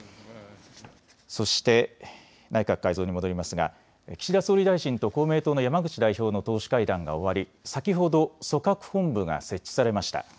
そして内閣改造に戻りますが岸田総理大臣と公明党の山口代表の党首会談が終わり先ほど組閣本部が設置されました。